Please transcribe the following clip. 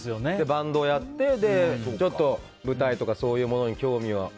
バンドをやってちょっと舞台とかそういうものに興味が。